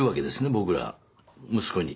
僕ら息子に。